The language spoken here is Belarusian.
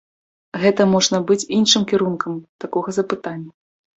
Гэта можна быць іншым кірункам такога запытання.